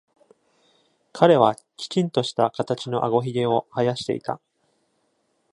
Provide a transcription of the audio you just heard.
彼はきちんとした形のあごひげを生やしていた。